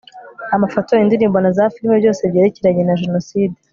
amafoto indirimbo na za filime byose byerekeranye na jenoside